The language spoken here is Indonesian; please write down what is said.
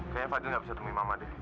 kayaknya fadil gak bisa temui mama